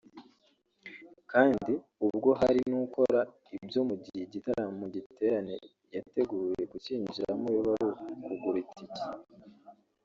kandi ubwo hari n’ukora ibyo mu gihe igitaramo/igiterane yateguye kucyinjiramo biba ari ukugura itike